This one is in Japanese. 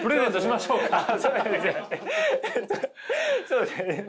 そうですね。